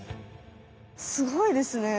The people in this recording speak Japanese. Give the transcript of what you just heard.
すごいですね。